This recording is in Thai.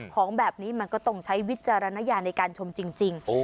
ของแบบนี้มันก็ต้องใช้วิจารณญาณในการชมจริง